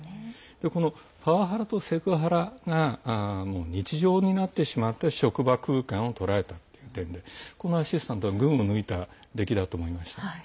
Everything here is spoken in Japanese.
このパワハラとセクハラが日常になってしまった職場空間をとらえた点でこの「アシスタント」は群を抜いた出来だと思いました。